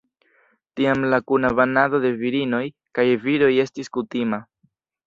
Tiam la kuna banado de virinoj kaj viroj estis kutima.